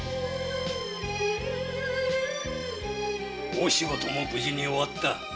大仕事も無事に終わった。